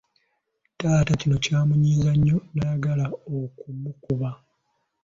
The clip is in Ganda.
Taata kino kyamunyiiza nnyo n'ayagala okumukuba.